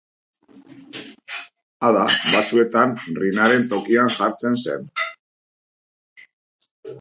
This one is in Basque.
Ada, batzuetan, Rinaren tokian jartzen zen.